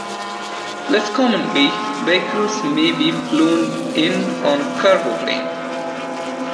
Less commonly, vehicles may be flown in on a cargo plane.